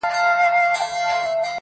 زما په مینه ورور له ورور سره جنګیږي٫